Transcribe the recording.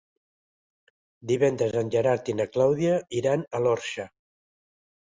Divendres en Gerard i na Clàudia iran a l'Orxa.